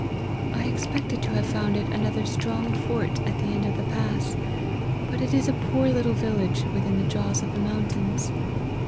I expected to have found it another strong fort at the end of the pass ; but it is a poor little village within the jaws of the mountains.